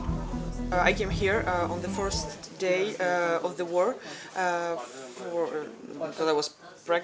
saya memiliki anak saya nama dia mark